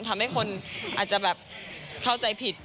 ทำให้คนอาจจะแบบเข้าใจผิด